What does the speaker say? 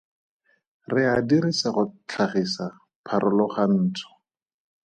Re a dirisa go tlhagisa pharologantsho.